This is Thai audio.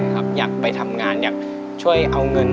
อยากไปทำงานอยากช่วยเอาเงิน